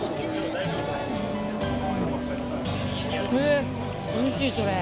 えっおいしいそれ！